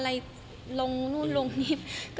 อะไรลงนู่นลงนิบ